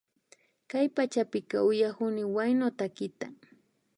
Kay pachapika uyakuni huyano takita